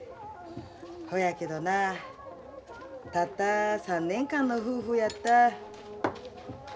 ほやけどなたった３年間の夫婦やった。